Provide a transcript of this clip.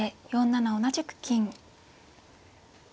４七同じく金。